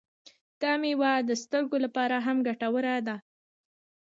دا میوه د سترګو لپاره هم ګټوره ده.